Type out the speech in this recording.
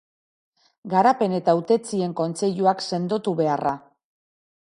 Garapen eta Hautetsien kontseiluak sendotu beharra.